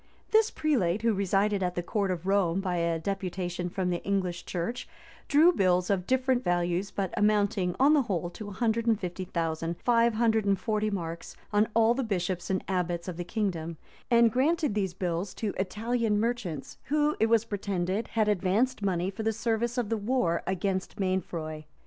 This prelate, who resided at the court of Rome by a deputation from the English church, drew bills of different values but amounting on the whole to a hundred and fifty thousand five hundred and forty marks on all the bishops and abbots of the kingdom; and granted these bills to Italian merchants, who, it was pretended, had advanced money for the service of the war against Mainfroy.